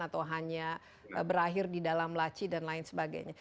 atau hanya berakhir di dalam laci dan lain sebagainya